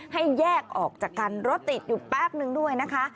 ให้แยกออกจากกันรถติดอยู่แป๊บนึงด้วยนะคะ